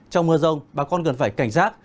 trong mưa rông bà con cần phải cảnh giác